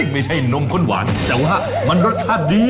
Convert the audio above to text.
ไม่ใช่นมข้นหวานแต่ว่ามันรสชาติดี